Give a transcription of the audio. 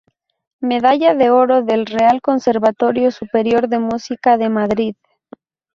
Medalla de Oro del Real Conservatorio Superior de Música de Madrid.